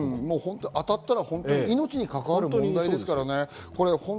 当たったら命に関わる問題ですからね。